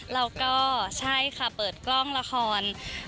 แล้วก็ใช่ค่ะเปิดกล้องละคร